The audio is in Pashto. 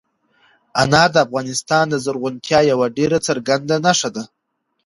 انار د افغانستان د زرغونتیا یوه ډېره څرګنده نښه ده.